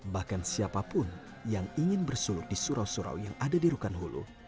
bahkan siapapun yang ingin bersulut di surau surau yang ada di rukan hulu